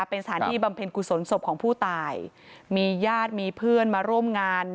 เป็นสถานที่บำเพ็ญกุศลศพของผู้ตายมีญาติมีเพื่อนมาร่วมงาน